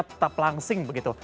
tetap langsing begitu